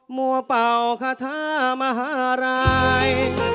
มัวเป่าขทะมหาราย